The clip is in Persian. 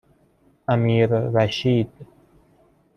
امیررشید